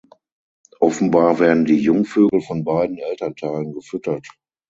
Offenbar werden die Jungvögel von beiden Elternteilen gefüttert.